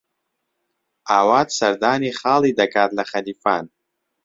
ئاوات سەردانی خاڵی دەکات لە خەلیفان.